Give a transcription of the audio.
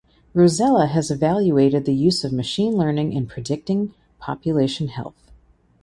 Rosella has evaluated the use of machine learning in predicting population health.